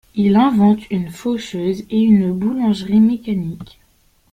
Il invente une faucheuse, et une boulangerie mécanique.